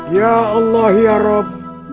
ya allah ya rab